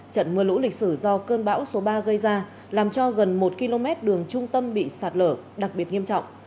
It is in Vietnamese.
trận mưa lũ lịch sử do cơn bão số ba gây ra làm cho gần một km đường trung tâm bị sạt lở đặc biệt nghiêm trọng